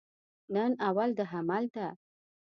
نن اول د حمل ده